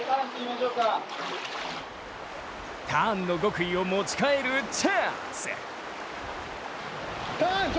ターンの極意を持ち帰るチャンス。